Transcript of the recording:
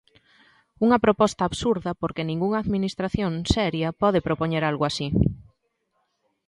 Unha proposta absurda porque ningunha administración seria pode propoñer algo así.